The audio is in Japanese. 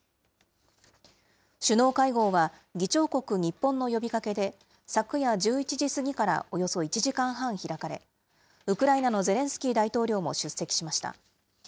首脳会合は、議長国、日本の呼びかけで、昨夜１１時過ぎからおよそ１時間半開かれ、ウクライナのゼレンスキー大統領も出席しました。